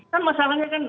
kan masalahnya kan